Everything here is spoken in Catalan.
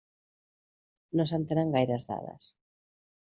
No se'n tenen gaire dades.